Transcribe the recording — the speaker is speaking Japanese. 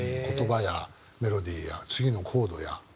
言葉やメロディーや次のコードや。